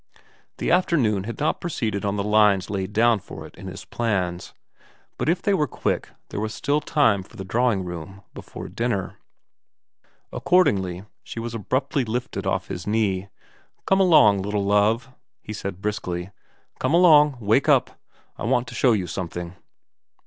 The afternoon had not proceeded on the lines laid down for it in his plans, but if they were quick there was still time for the drawing room before dinner. Accordingly she was abruptly lifted off his knee. ' Come along, little Love,' he said briskly. * Come along. Wake up. I want to show you something.'